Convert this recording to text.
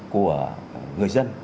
của người dân